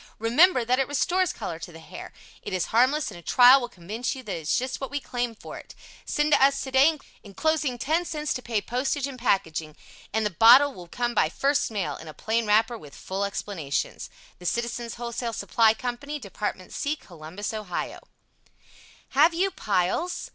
Remember that it restores color to the hair. It is harmless and a trial will convince you that it is just what we claim for it. Send to us today, enclosing 10c to pay postage and packing, and the bottle will come by first mail in a plain wrapper with full explanations. The Citizens' Wholesale Supply Co. Department C. Columbus, Ohio Have You Piles?